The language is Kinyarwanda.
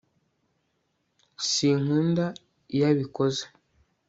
Sinkunda iyo abikoze